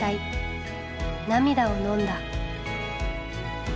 涙をのんだ。